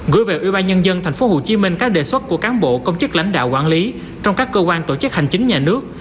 gửi về ủy ban nhân dân tp hcm các đề xuất của cán bộ công chức lãnh đạo quản lý trong các cơ quan tổ chức hành chính nhà nước